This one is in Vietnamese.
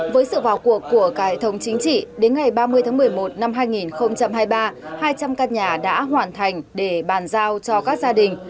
với sự vào cuộc của cải thống chính trị đến ngày ba mươi tháng một mươi một năm hai nghìn hai mươi ba hai trăm linh căn nhà đã hoàn thành để bàn giao cho các gia đình